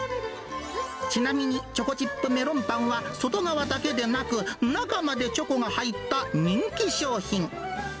ちなみにチョコチップメロンパンは、外側だけでなく、中までチョコが入った人気商品。